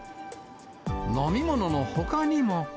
飲み物のほかにも。